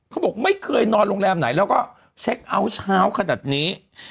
บอกไม่เคยนอนโรงแรมไหนแล้วก็เช็คเอาท์เช้าขนาดนี้